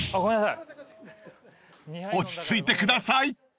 ［落ち着いてください］